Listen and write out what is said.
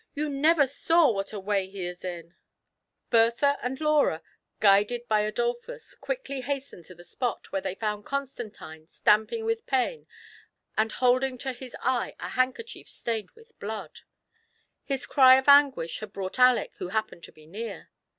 You never saw what a way he is in !" THE PLEASURE EXCUESION. v^^ iSi, Bertlia and Laura^ guided by Adolpbus, quickly hastened to the spot, where they found Constantine stampiag with pain, and holding to hia eye a handker chief stained with blood. Hia cry of anguish had brought Aleck, who happened to be near.